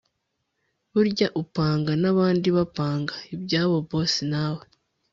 Burya upanga nabandi bapanga ibyabo boss nawe